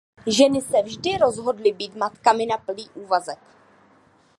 Ženy se vždy rozhodly být matkami na plný úvazek.